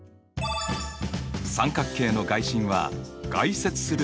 三角形の外心は外接する